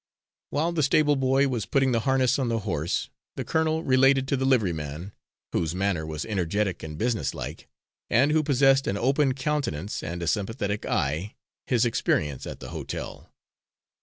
While the stable boy was putting the harness on the horse, the colonel related to the liveryman, whose manner was energetic and business like, and who possessed an open countenance and a sympathetic eye, his experience at the hotel.